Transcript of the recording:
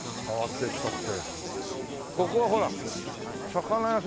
ここはほら魚屋さん。